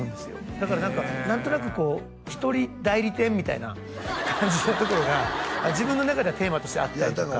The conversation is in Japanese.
だから何か何となくこう１人代理店みたいな感じのところが自分の中ではテーマとしてあったりとか